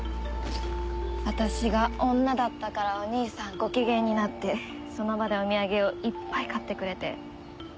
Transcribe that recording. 私が女だったからお兄さんご機嫌になってその場でお土産をいっぱい買ってくれて。